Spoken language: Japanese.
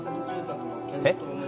えっ？